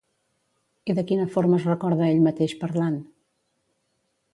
I de quina forma es recorda a ell mateix parlant?